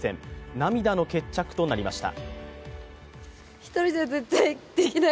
涙の決着となりました。